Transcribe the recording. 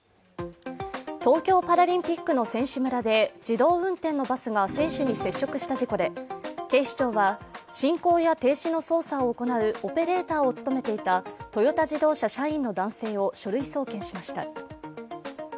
東京パラリンピックの選手村で自動運転のバスが選手に接触した事故で警視庁は、進行や停止の操作を行うオペレーターを務めていたトヨタ自動車社員の男性を書類送検しました。